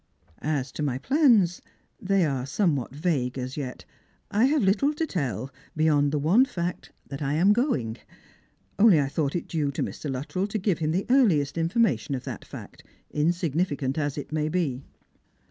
" As to my plans, they are somewhat vague as yet. I have little to tell beyond the one fact that I am going. Only I thought it due to Mr. Luttrell to give him the earliest information of that fact, insignificant as it may be."